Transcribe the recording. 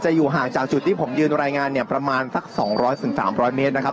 จะอยู่ห่างจากจุดที่ผมยืนรายงานเนี่ยประมาณสักสองร้อยถึงสามร้อยเมตรนะครับ